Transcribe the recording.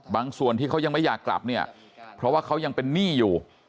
ส่วนที่เขายังไม่อยากกลับเนี่ยเพราะว่าเขายังเป็นหนี้อยู่